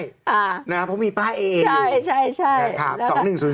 เพราะมีป้าเอเออยู่